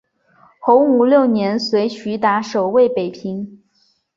洪武六年随徐达守卫北平。